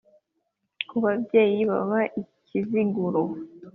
ku babyeyi baba i kiziguro